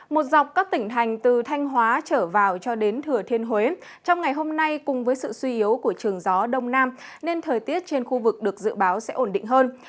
một dọc các tỉnh thành từ thanh hóa trở vào cho đến thừa thiên huế trong ngày hôm nay cùng với sự suy yếu của trường gió đông nam nên thời tiết trên khu vực được dự báo sẽ ổn định hơn